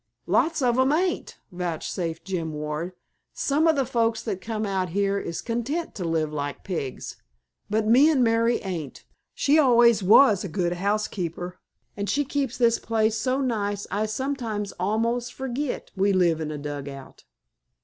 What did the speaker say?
"Lots of 'em ain't," vouchsafed Jim Ward. "Some of the folks that come out here is content to live like pigs. But me an' Mary ain't. She always was a good housekeeper, an' she keeps this place so nice I sometimes almost forgit we live in a dugout."